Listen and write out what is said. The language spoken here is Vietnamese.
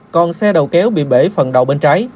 còn xe đầu kéo bị bể phần đầu bên trái